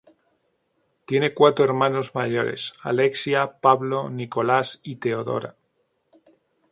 Tiene cuatro hermanos mayores, Alexia, Pablo, Nicolás y Teodora.